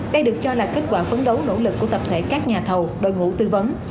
đây được cho là kết quả phấn đấu nỗ lực của tập thể các nhà thầu đội ngũ tư vấn